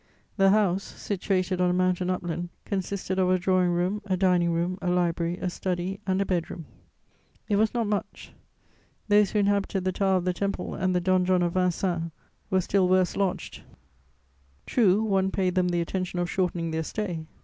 The house, situated on a mountain upland, consisted of a drawing room, a dining room, a library, a study and a bed room. It was not much: those who inhabited the tower of the Temple and the donjon of Vincennes were still worse lodged; true, one paid them the attention of shortening their stay.